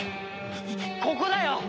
ここだよ！